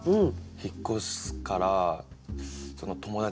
引っ越すからその友達